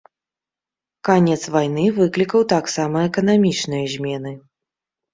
Канец вайны выклікаў таксама эканамічныя змены.